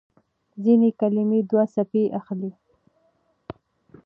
ځينې کلمې دوه څپې اخلي.